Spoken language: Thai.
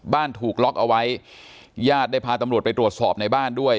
ถูกล็อกเอาไว้ญาติได้พาตำรวจไปตรวจสอบในบ้านด้วย